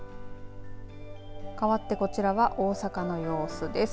かわって、こちらは大阪の様子です。